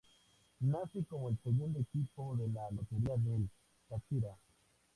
Nace como el segundo equipo de la Lotería del Táchira.